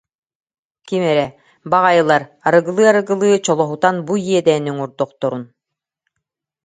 Ким эрэ: «Баҕайылар, арыгылыы-арыгылыы чолоһутан бу иэдээни оҥордохторун»